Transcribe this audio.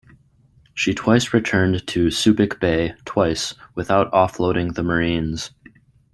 She twice returned to Subic Bay twice without off-loading the Marines.